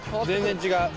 全然違う。